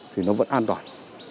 thì nó vẫn an toàn